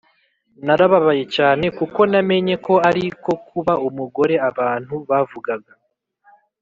narababaye cyane kuko namenye ko ari ko kuba umugore abantu bavugaga,